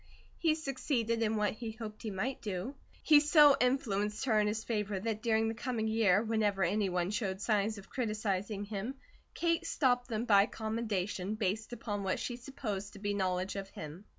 He succeeded in what he hoped he might do. He so influenced her in his favour that during the coming year whenever any one showed signs of criticising him, Kate stopped them by commendation, based upon what she supposed to be knowledge of him.